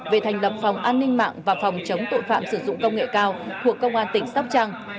về thành lập phòng an ninh mạng và phòng chống tội phạm sử dụng công nghệ cao thuộc công an tỉnh sóc trăng